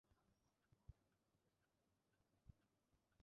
সে উগ্র স্বভাবের হয়ে উঠে।